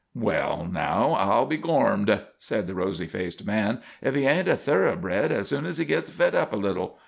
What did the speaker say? "Well, now, I'll be gormed," said the rosy faced man, "if he ain't a thoroughbred as soon's he gits fed up a little.